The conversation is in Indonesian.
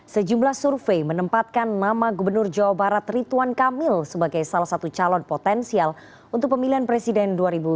sejumlah survei menempatkan nama gubernur jawa barat rituan kamil sebagai salah satu calon potensial untuk pemilihan presiden dua ribu sembilan belas